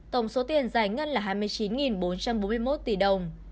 tổng số tiền giải ngân là hai mươi chín bốn trăm bốn mươi một tỷ đồng